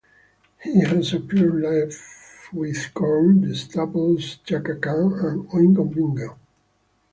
He has appeared live with Korn, The Staples, Chaka Khan, and Oingo Boingo.